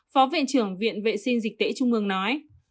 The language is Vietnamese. phó viện trưởng viện vệ sinh dịch tễ trung ương nói